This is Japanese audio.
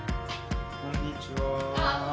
こんにちは。